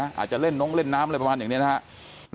อาจจะเล่นน้องเล่นน้ำอะไรประมาณอย่างนี้นะครับ